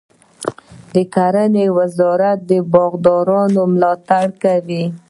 د کرنې وزارت د باغدارانو ملاتړ کوي.